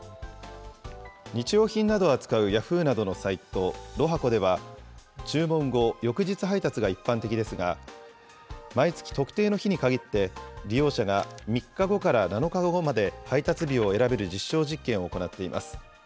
日用品などを扱うヤフーなどのサイト、ＬＯＨＡＣＯでは、注文後、翌日配達が一般的ですが、毎月、特定の日に限って利用者が３日後から７日後まで、配達日を選べる実証実験を行っています。